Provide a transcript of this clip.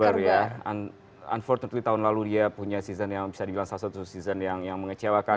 unfortunately tahun lalu dia punya season yang bisa dibilang salah satu season yang mengecewakan